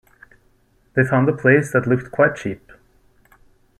They found a place that looked quite cheap.